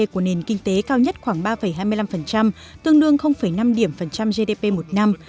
của nền kinh tế cao nhất khoảng ba hai mươi năm tương đương năm điểm phần trăm gdp một năm